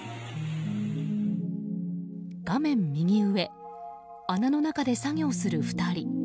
画面右上穴の中で作業する２人。